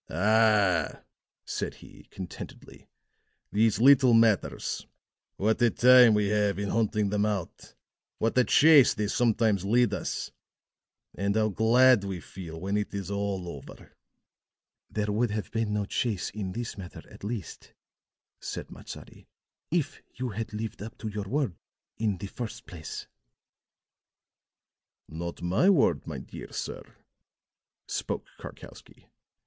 "Ah," said he, contentedly, "these little matters! What a time we have in hunting them out what a chase they sometimes lead us. And how glad we feel when it is all over." "There would have been no chase in this matter at least," said Matsadi, "if you had lived up to your word in the first place." "Not my word, my dear sir," spoke Karkowsky.